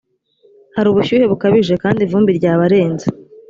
hari ubushyuhe bukabije kandi ivumbi ryabarenze.